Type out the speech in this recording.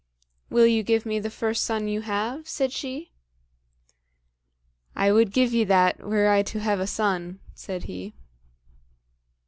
"Will you give me the first son you have?" said she. "I would give ye that, were I to have a son," said he.